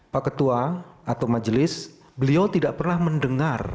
pak ketua atau majelis beliau tidak pernah mendengar